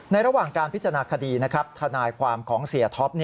ระหว่างการพิจารณาคดีนะครับทนายความของเสียท็อป